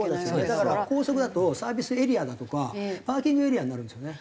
だから高速だとサービスエリアだとかパーキングエリアになるんですよね。